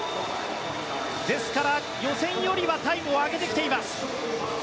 ですから、予選よりはタイムを上げてきています。